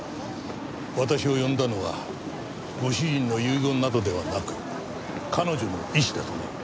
私を呼んだのはご主人の遺言などではなく彼女の意思だとね。